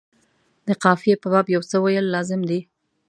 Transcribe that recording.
د قافیې په باب یو څه ویل لازم دي.